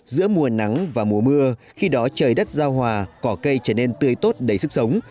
giữa mùa nắng và mùa mưa khi đó trời đất giao hòa cỏ cây trở nên tươi tốt đầy sức sống